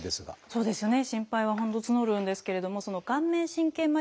そうですね。